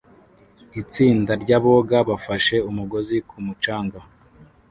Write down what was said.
Itsinda ryaboga bafashe umugozi ku mucanga